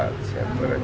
ya saya akan menerimanya